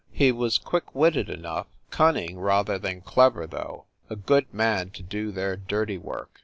He was quick witted enough ; cunning, rather than clever, though ; a good man to do their dirty work.